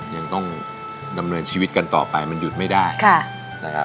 ยังต้องดำเนินชีวิตกันต่อไปมันหยุดไม่ได้นะครับ